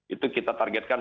itu kita targetkan